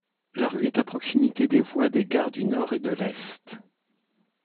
La rue est à proximité des voies des gares du Nord et de l'Est.